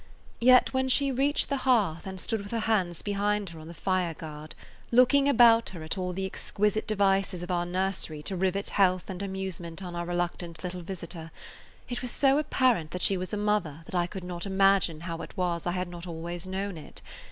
Yet when she reached the hearth and stood with her hands behind her on the fireguard, looking about her at all the exquisite devices of our nursery to rivet health and amusement on our reluctant little visitor, it was so apparent that she was a mother that I could not imagine how it was that I had not always known it.